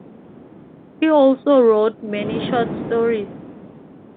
He also wrote many short stories.